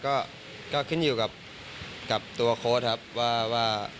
ก็ขึ้นอยู่กับตัวโค้ชครับว่า